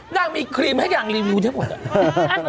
นางมีครีมให้อย่างรีวิวได้หมด